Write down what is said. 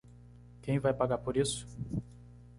Quem vai pagar por isso?